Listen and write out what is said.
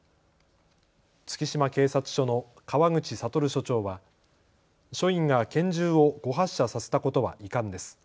月島警察署の川口悟署長は署員が拳銃を誤発射させたことは遺憾です。